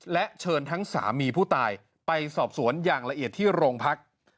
และเชิญทั้งสามีผู้ตายไปสอบสวนอย่างละเอียดที่โรงพัก